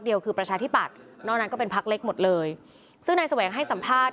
ซึ่งนายแสหวงให้สัมภาษณ์